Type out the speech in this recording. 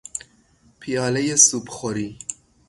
پیالهی سوپخوری